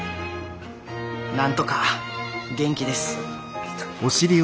なんとか元気です」。